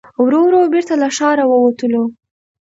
ورو ورو بېرته له ښاره ووتلو.